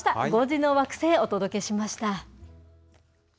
５時の惑星、お届けしました。